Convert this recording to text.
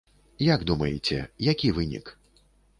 Як думаеце, які вынік?